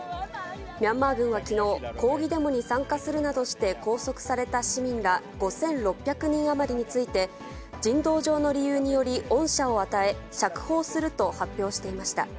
ミャンマー軍はきのう、抗議デモに参加するなどして拘束された市民ら５６００人余りについて、人道上の理由により、恩赦を与え、釈放すると発表していました。